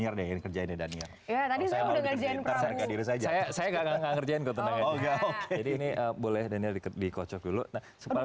ini kerjanya dan ya saya nggak kerjain kok jadi ini boleh daniel dikocok dulu nah sebab